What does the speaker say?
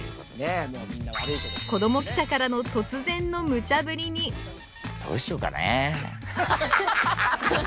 子ども記者からの突然のムチャぶりにどうしようかねえ。